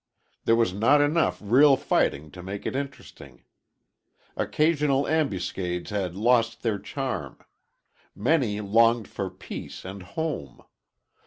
There was not enough real fighting to make it interesting. Occasional ambuscades had lost their charm. Many longed for peace and home.